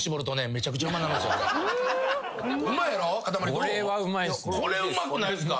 これはうまいっすね。